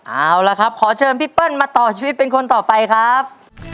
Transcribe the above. เอาละครับขอเชิญพี่เปิ้ลมาต่อชีวิตเป็นคนต่อไปครับ